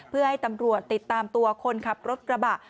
เพื่อให้ตำรวจติดตามตัวคนขับรถกระบะ